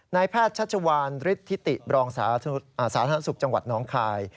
นายแพทย์ชัชวานฤทธิติบรองสาธารณสุขจังหวัดน้องคาย